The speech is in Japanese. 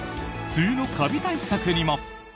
梅雨のカビ対策にも！